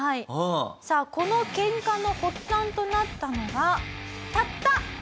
さあこのケンカの発端となったのが。